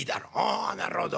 「あなるほど」。